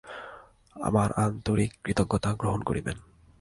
আমার আন্তরিক কৃতজ্ঞতা গ্রহণ করিবেন।